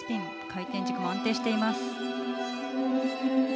回転軸も安定しています。